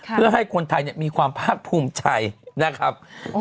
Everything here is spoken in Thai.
เพื่อให้คนไทยมีความภาคภูมิใจนะครับ